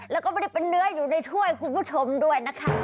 แล้วก็ไม่ได้เป็นเนื้ออยู่ในถ้วยคุณผู้ชมด้วยนะคะ